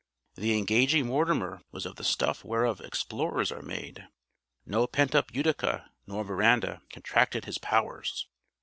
The engaging Mortimer was of the stuff whereof explorers are made. No pent up Utica nor veranda contracted his powers.